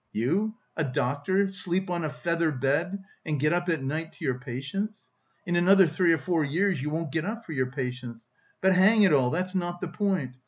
You a doctor sleep on a feather bed and get up at night to your patients! In another three or four years you won't get up for your patients... But hang it all, that's not the point!...